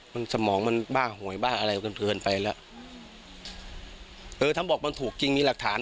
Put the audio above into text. มันสมองมันบ้าหวยบ้าอะไรเกินไปแล้วเออถ้าบอกมันถูกจริงมีหลักฐาน